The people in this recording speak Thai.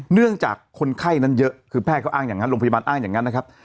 เนื่องจากคนไข้นั้นเยอะคือแพทย์เขาอ้างอย่างนั้นโรงพยาบาลอ้างอย่างนั้นนะครับ